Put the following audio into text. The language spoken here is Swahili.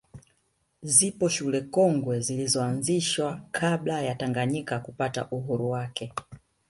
Zipo shule kongwe zilizoanzishwa kabla ya Tanganyika kupata uhuru wake